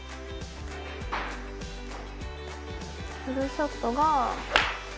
フルショットが。